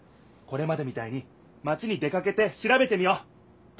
これまでみたいにマチに出かけてしらべてみよう！